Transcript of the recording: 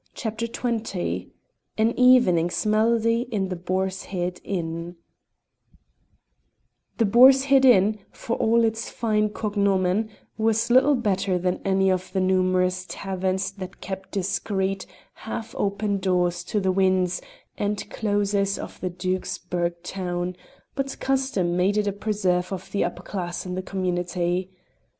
CHAPTER XX AN EVENING'S MELODY IN THE BOAR'S HEAD INN The Boar's Head Inn, for all its fine cognomen, was little better than any of the numerous taverns that kept discreet half open doors to the wynds and closes of the Duke's burgh town, but custom made it a preserve of the upper class in the community.